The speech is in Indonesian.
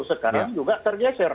sekarang juga tergeser